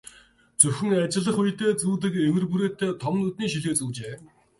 Зөвхөн ажиллах үедээ зүүдэг эвэр хүрээтэй том нүдний шилээ зүүжээ.